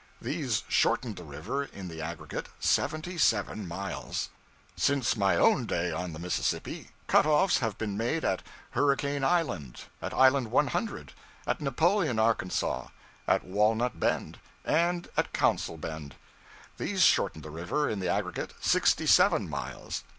These shortened the river, in the aggregate, seventy seven miles. Since my own day on the Mississippi, cut offs have been made at Hurricane Island; at island 100; at Napoleon, Arkansas; at Walnut Bend; and at Council Bend. These shortened the river, in the aggregate, sixty seven miles.